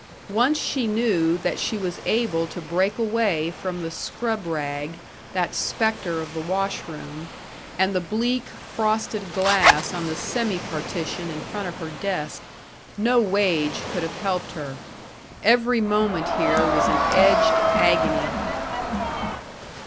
Once she knew that she was able to break away from the scrub rag, that specter of the wash room, and the bleak, frosted glass on the semi partition in front of her desk, no wage could have helped her. Every moment here was an edged agony.